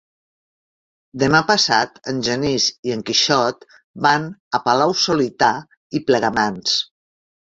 Demà passat en Genís i en Quixot van a Palau-solità i Plegamans.